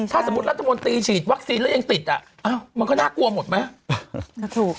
ถ้าสมมุติรัฐมนตรีฉีดวัคซีนแล้วยังติดอ่ะมันก็น่ากลัวหมดไหม